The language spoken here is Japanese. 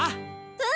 うん。